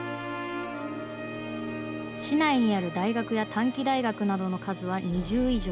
市内にある、大学や短期大学などの数は２０以上。